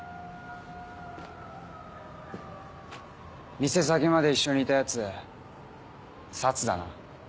店先まで一緒にいたやつサツだな？